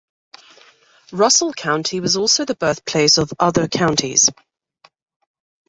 Russell County was also the birthplace of other counties.